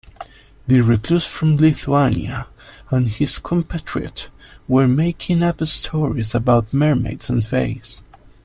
The recluse from Lithuania and his compatriot were making up stories about mermaids and fays.